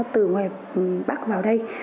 từ ngoài bắc vào đây